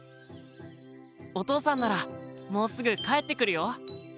お父さんならもうすぐ帰ってくるよ。